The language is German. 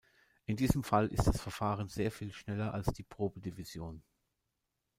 In diesem Fall ist das Verfahren sehr viel schneller als die Probedivision.